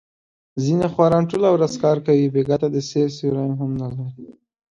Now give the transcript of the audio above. ځنې خواران ټوله ورځ کار کوي، بېګاه ته د سیر سیوری هم نه لري.